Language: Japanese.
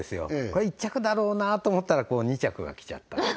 これ１着だろうなと思ったら２着が来ちゃった